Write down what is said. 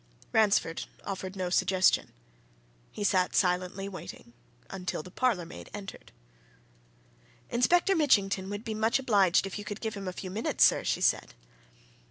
Ransford offered no suggestion. He sat silently waiting, until the parlourmaid entered. "Inspector Mitchington would be much obliged if you could give him a few minutes, sir," she said.